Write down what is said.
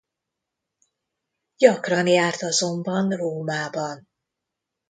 Gyakran járt azonban Rómában.